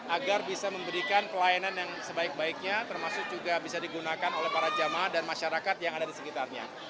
agar bisa memberikan pelayanan yang sebaik baiknya termasuk juga bisa digunakan oleh para jamaah dan masyarakat yang ada di sekitarnya